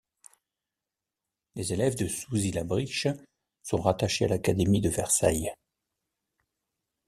Les élèves de Souzy-la-Briche sont rattachés à l'académie de Versailles.